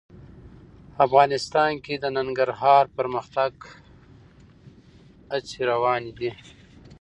افغانستان کې د ننګرهار د پرمختګ هڅې روانې دي.